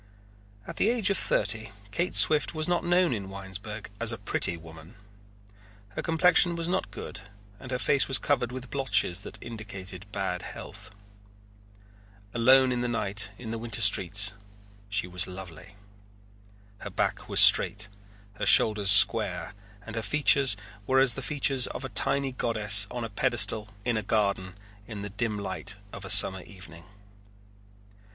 At the age of thirty Kate Swift was not known in Winesburg as a pretty woman. Her complexion was not good and her face was covered with blotches that indicated ill health. Alone in the night in the winter streets she was lovely. Her back was straight, her shoulders square, and her features were as the features of a tiny goddess on a pedestal in a garden in the dim light of a summer evening.